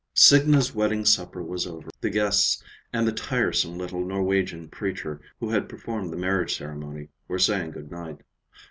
II Signa's wedding supper was over. The guests, and the tiresome little Norwegian preacher who had performed the marriage ceremony, were saying good night.